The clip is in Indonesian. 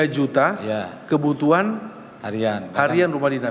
tiga juta kebutuhan harian harian rumah dinas